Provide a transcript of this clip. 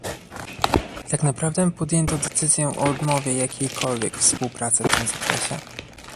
Tak naprawdę podjęto decyzję o odmowie jakiejkolwiek współpracy w tym zakresie